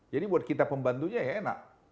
jadi buat kita pembantunya ya enak